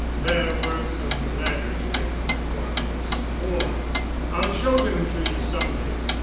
"There were some letters written before I was born. I'll show them to you some day.